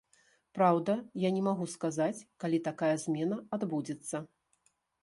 Праўда, я не магу сказаць, калі такая змена адбудзецца.